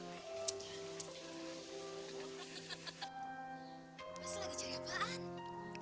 mas lagi cari apaan